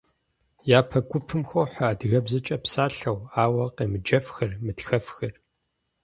Япэ гупым хохьэ адыгэбзэкӏэ псалъэу, ауэ къемыджэфхэр, мытхэфхэр.